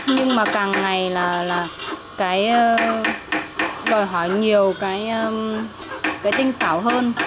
nhưng mà càng ngày là cái đòi hỏi nhiều cái tinh xảo hơn